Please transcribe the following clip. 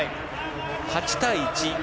８対１。